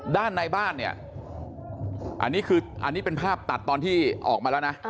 ด้านในบ้านอันนี้เป็นภาพตัดตอนที่ออกมาแล้วนะ